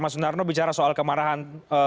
mas sunarno bicara soal kemarahan